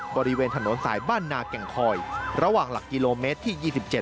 บริเวณถนนสายบ้านนาแก่งคอยระหว่างหลักกิโลเมตรที่๒๗